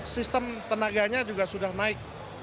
sistem tenaganya juga sudah naik